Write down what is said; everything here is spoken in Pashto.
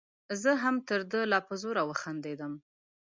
زه هم تر ده لا په زوره وخندلم.